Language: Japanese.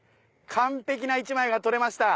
完璧な一枚が撮れました！